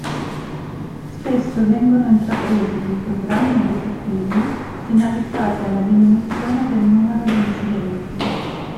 Spesso vengono intrapresi dei programmi educativi finalizzati alla diminuzione del numero di incidenti.